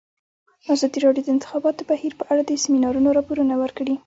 ازادي راډیو د د انتخاباتو بهیر په اړه د سیمینارونو راپورونه ورکړي.